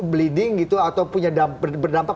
bleeding gitu atau punya berdampak